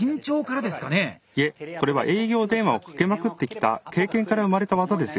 いえこれは営業電話をかけまくってきた経験から生まれた技ですよ。